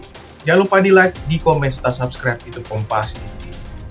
jangan lupa di like di comment dan subscribe youtube kompas tv